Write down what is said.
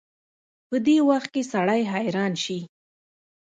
په دې وخت کې سړی حيران شي.